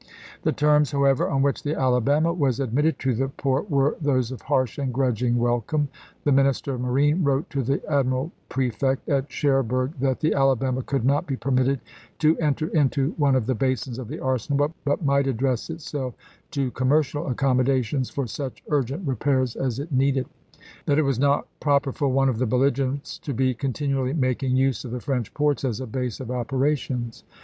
The terms, however, on which the Alabama was admitted to the port were those of harsh and grudging welcome. The Minister of Marine wrote to the admiral prefect at Cherbourg that the Ala bama could not be permitted to enter into one of the basins of the arsenal, but might address itself to commercial accommodations for such urgent repairs as it needed ; that it was not proper for one of the belligerents to be continually making use of the French ports as a base of operations.